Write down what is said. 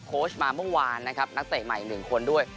โค้ชมาเมื่อวานนะครับนักเตะใหม่๑คนด้วย